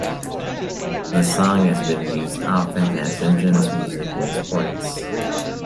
The song has been used often as entrance music in sports.